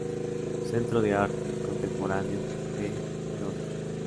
Centro de Arte Contemporáneo de Gerona.